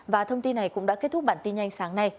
và thông tin này cũng đã kết thúc bản tin nhanh sáng nay